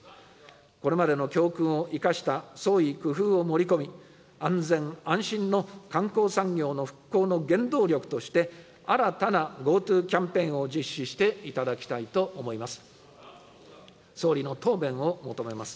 これまでの教訓を生かした創意工夫を盛り込み、安全・安心の観光産業の復興の原動力として、新たなＧｏＴｏキャンペーンを実施していただきたいと思います。